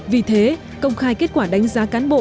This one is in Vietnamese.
vì thế công khai kết quả đánh giá cán bộ